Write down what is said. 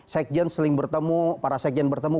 sekjen sering bertemu para sekjen bertemu